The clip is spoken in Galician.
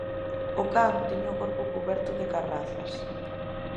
O can tiña o corpo cuberto de carrazas.